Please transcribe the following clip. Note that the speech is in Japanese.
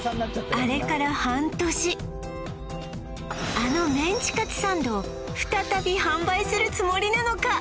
あのメンチカツサンドを再び販売するつもりなのか？